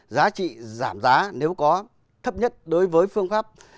giá trị giảm giá nếu có thấp nhất đối với phương pháp